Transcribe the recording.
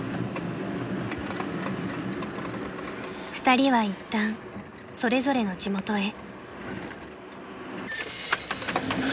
［２人はいったんそれぞれの地元へ］